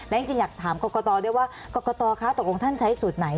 และจริงอยากถามกรกตด้วยว่ากรกตคะตกลงท่านใช้สูตรไหน